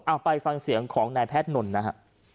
ไปฟังเสียงของนายแพทย์นนท์นะฮะ